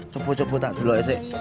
coba coba tak dulu s i